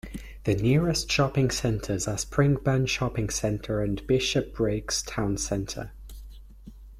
The nearest shopping centres are Springburn Shopping Centre and Bishopbriggs town centre.